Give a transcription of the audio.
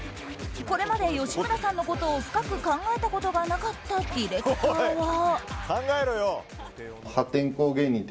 これまで吉村さんのことを深く考えたことがなかったディレクターは。